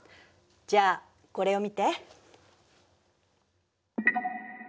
じゃあこれを見て。